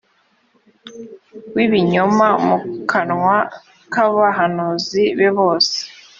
w ibinyoma mu kanwa k abahanuzi be bose